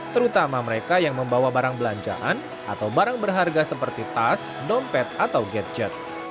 terutama mereka yang membawa barang belanjaan atau barang berharga seperti tas dompet atau gadget